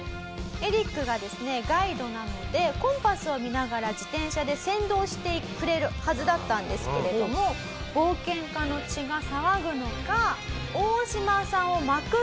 エリックがですねガイドなのでコンパスを見ながら自転車で先導してくれるはずだったんですけれども冒険家の血が騒ぐのか。